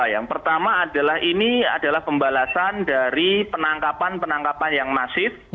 yang pertama adalah ini adalah pembalasan dari penangkapan penangkapan yang masif